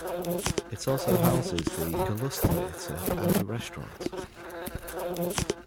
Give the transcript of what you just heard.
It also houses the "Gallustheater" and a restaurant.